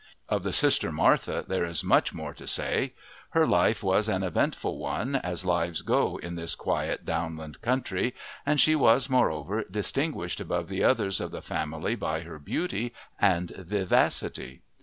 Of the sister, Martha, there is much more to say; her life was an eventful one as lives go in this quiet downland country, and she was, moreover, distinguished above the others of the family by her beauty and vivacity.